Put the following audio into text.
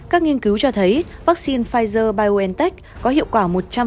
các nghiên cứu cho thấy vaccine pfizer biontech có hiệu quả một trăm linh